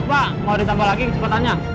pak mau ditambah lagi kecepatannya